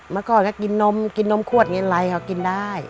เมื่อก่อนก็กินนมกินนมขวดกินอะไรเขากินได้